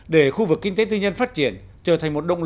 để khu vực kinh tế tư nhân phát triển trở thành một động lực